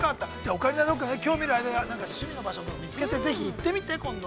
オカリナ、どっか興味のある趣味の場所を見つけて、ぜひ行ってみて、今度。